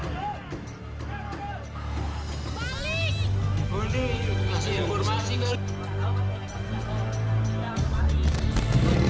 terus terus terus